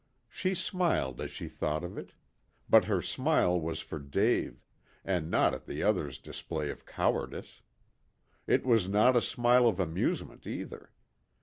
She smiled as she thought of it. But her smile was for Dave, and not at the other's display of cowardice. It was not a smile of amusement either.